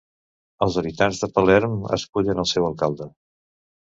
Els habitants de Palerm escullen al seu alcalde.